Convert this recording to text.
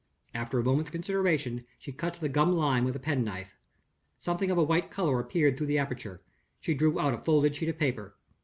After a moment's consideration, she cut the gummed line with a penknife. Something of a white color appeared through the aperture. She drew out a folded sheet of paper.